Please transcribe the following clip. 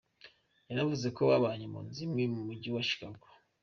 Yanavuze ko babanye mu nzu imwe mu Mujyi wa Chicago.